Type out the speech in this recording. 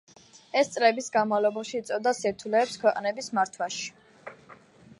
ეს წლების განმავლობაში იწვევდა სირთულეებს ქვეყნების მართვაში.